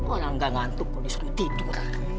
orang enggak ngantuk pun disuruh tidur